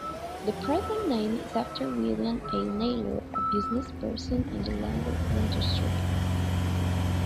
The present name is after William A. Naylor, a businessperson in the lumber industry.